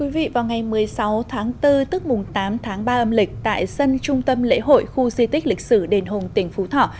vào ngày một mươi sáu tháng bốn tức mùng tám tháng ba âm lịch tại sân trung tâm lễ hội khu di tích lịch sử đền hùng tỉnh phú thọ